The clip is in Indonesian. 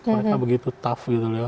mereka begitu tough gitu